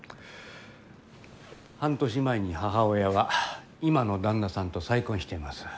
半年前に母親が今の旦那さんと再婚しています。